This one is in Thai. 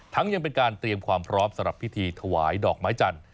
ยังเป็นการเตรียมความพร้อมสำหรับพิธีถวายดอกไม้จันทร์